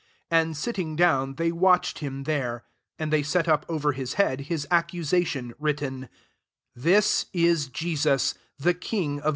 36 And, sitting down, they watched him ^ere. ST And they set up over his head his accusation writteoi This ts Jesos, tbb Kme or I THE Jbws.